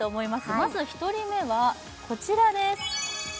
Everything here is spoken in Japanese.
まず１人目はこちらです